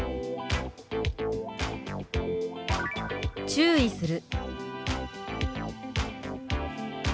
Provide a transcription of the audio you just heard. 「注意する」。